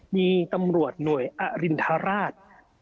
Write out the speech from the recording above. มีตำรวจหน่วยอรินทราช